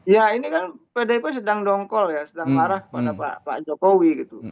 ya ini kan pdip sedang dongkol ya sedang marah pada pak jokowi gitu